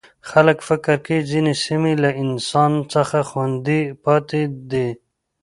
خلک فکر کوي ځینې سیمې له انسان څخه خوندي پاتې دي.